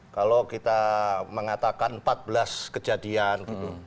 kalau kita mengatakan empat belas kejadian gitu